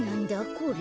これ。